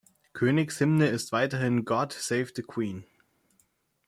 Königshymne ist weiterhin God Save the Queen.